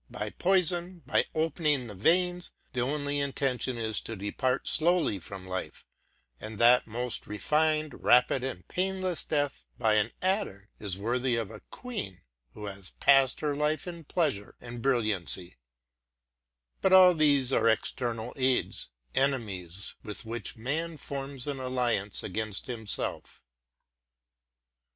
By poison, by opening the veins, the only inten tion is to depart slowly from life; and that most refined, rapid, and painless death by an adder, was worthy of a queen who had passed her life in pleasure and_ brilliancy But all these are external aids, enemies with which man forms an alliance against himself.